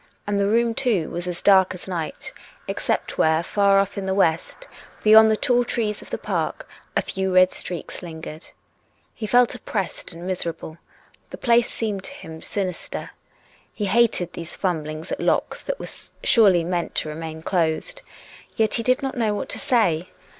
And the room, too, was as dark as night, except wrhere far off in the west, beyond the tall trees of the park, a few red streaks lingered. He felt oppressed and miserable. The place seemed to him sinister. He hated these fumblings at locks that were surely meant to remain closed. Yet he did not know what to say.